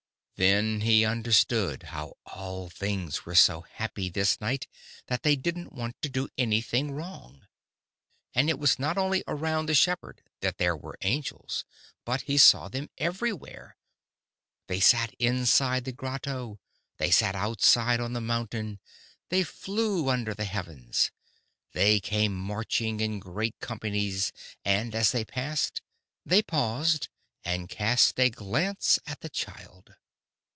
"Then he understood how all things were so happy this night that they didn't want to do anything wrong. "And it was not only around the shepherd that there were angels, but he saw them everywhere. They sat inside the grotto, they sat outside on the mountain, and they flew under the heavens. They came marching in great companies, and, as they passed, they paused and cast a glance at the child.